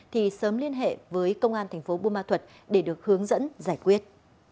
thì sớm liên hệ với công an tp bô ma thuật để được hướng dẫn giải quyết